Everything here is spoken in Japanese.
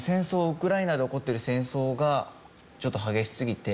ウクライナで起こってる戦争がちょっと激しすぎて。